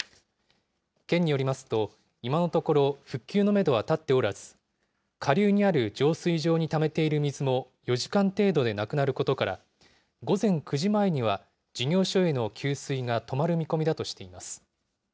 県によりますと、今のところ、復旧のメドは立っておらず、下流にある浄水場にためている水も、４時間程度でなくなることから、午前９時前には、事業所への給水が止まる見込みだとしています。